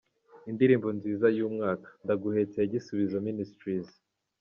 Indirimbo nziza y’Umwaka: Ndaguhetse ya Gisubizo Ministries.